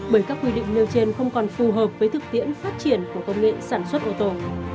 bởi các quy định nêu trên không còn phù hợp với thực tiễn phát triển của công nghệ sản xuất ô tô